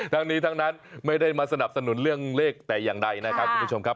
ทั้งนี้ทั้งนั้นไม่ได้มาสนับสนุนเรื่องเลขแต่อย่างใดนะครับคุณผู้ชมครับ